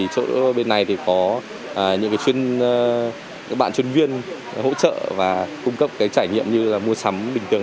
chỗ bên này thì có những cái chuyên các bạn chuyên viên hỗ trợ và cung cấp cái trải nghiệm như là mua sắm bình thường